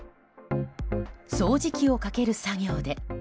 掃除機をかける作業で。